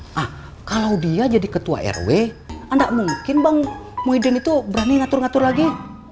nah kalau dia jadi ketua rw tidak mungkin bang muhyiddin itu berani ngatur ngatur lagi